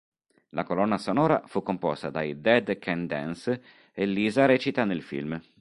La colonna sonora fu composta dai Dead Can Dance e Lisa recita nel film.